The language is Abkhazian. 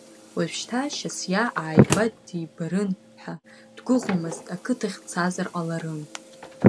Уажәшьҭа Шьасиа ааигәа дибарын ҳәа дгәыӷуамызт, ақыҭахь дцазар ҟаларын.